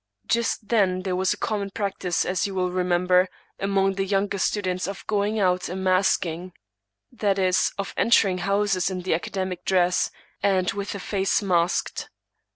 Just then there was a common practice, as you will remember, among the younger students, of going out a masking — that is, of entering houses in the academic dress, and with the face masked.